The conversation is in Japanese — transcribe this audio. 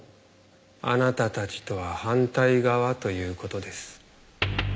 あなたたちとは反対側という事です。